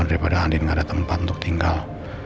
daripada andin gak ada tempat untuk tinggal